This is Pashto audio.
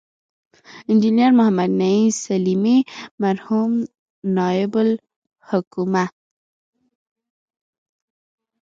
انجنیر محمد نعیم سلیمي، مرحوم نایب الحکومه